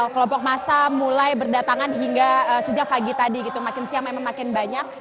kelompok masa mulai berdatangan hingga sejak pagi tadi gitu makin siang memang makin banyak